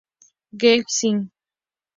We Sing.